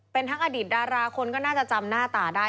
เป็นทั้งอดีตดาราคนก็น่าจะจำหน้าตาได้